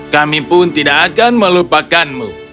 kami pun tidak akan melupakanmu